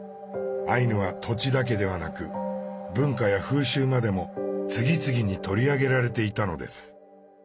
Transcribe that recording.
アイヌは土地だけではなく文化や風習までも次々に取り上げられていたのです。